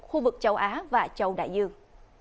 khu vực châu á và châu đại dương